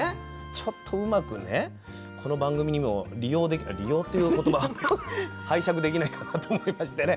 ちょっとうまくねこの番組にも利用できあっ、利用ってことば拝借できないかなと思いましてね。